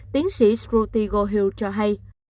tiến sĩ ruthie gohill cho hay